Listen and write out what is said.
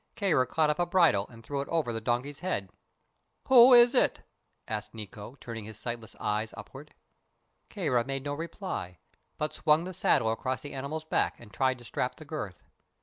Kāra caught up a bridle and threw it over the donkey's head. "Who is it?" asked Nikko, turning his sightless eyes upward. Kāra made no reply, but swung the saddle across the animal's back and tried to strap the girth.